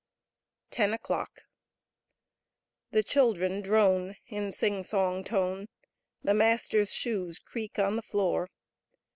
Ten O clock* !e Children drone t^f^. In sing song tone. The Masters shoes creak on th^ Floor